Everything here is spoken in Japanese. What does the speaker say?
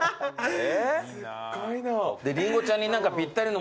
え！